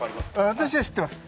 私は知ってます。